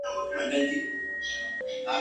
نن مي د عمر په محراب کي بتخانه لګېږې !.